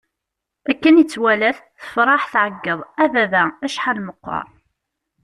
Akken i tt-walat, tefṛeḥ, tɛeggeḍ: A baba! Acḥal meqqeṛ!